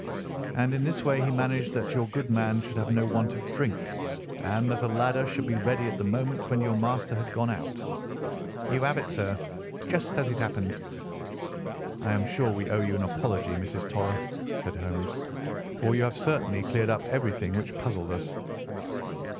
"And in this way he managed that your good man should have no want of drink, and that a ladder should be ready at the moment when your master had gone out." "You have it, sir, just as it happened." "I am sure we owe you an apology, Mrs. Toller," said Holmes, "for you have certainly cleared up everything which puzzled us.